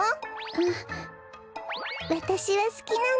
んっわたしはすきなの。